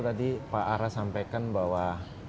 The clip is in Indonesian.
tadi pak ara sampaikan bahwa